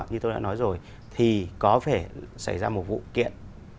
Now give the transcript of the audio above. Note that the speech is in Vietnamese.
như tôi đã nói rồi thì có thể xảy ra một vụ kiện